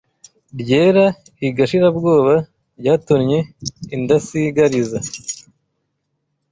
Ryera i Gashirabwoba Ryatonnye indasigariza